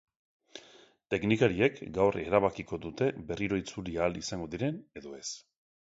Teknikariek gaur erabakiko dute berriro itzuli ahal izango diren edo ez.